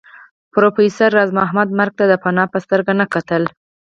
پروفېسر راز محمد مرګ ته د فناء په سترګه نه کتل